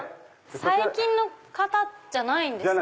最近の方じゃないんですね。